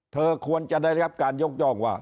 เธอควรจะได้รับการยกย่องว่า